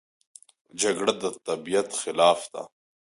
جګړه د طبیعت خلاف ده